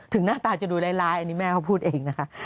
หน้าตาจะดูร้ายอันนี้แม่เขาพูดเองนะคะ